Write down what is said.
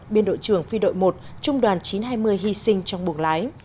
biên đội trưởng phi đội một trung đoàn chín trăm hai mươi hy sinh trong buồng lái